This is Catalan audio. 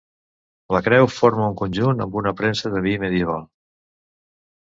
La creu forma un conjunt amb una premsa de vi medieval.